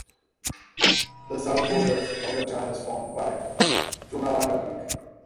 The south border of the town is formed by Tonawanda Creek.